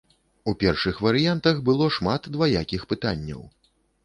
У першых варыянтах было шмат дваякіх пытанняў.